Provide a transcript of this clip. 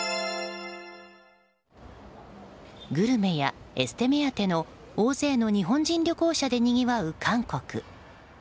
グルメやエステ目当ての大勢の日本人旅行者でにぎわう韓国。